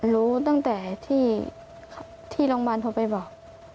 รู้ตั้งแต่ที่โรงพยาบาลโทรไปบอก